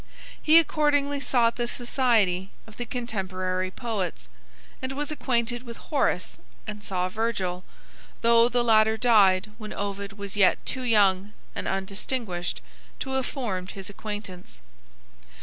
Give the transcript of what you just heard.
He accordingly sought the society of the contemporary poets, and was acquainted with Horace and saw Virgil, though the latter died when Ovid was yet too young and undistinguished to have formed his acquaintance.